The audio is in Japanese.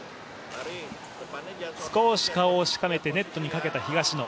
少し顔をしかめてネットにかけた東野。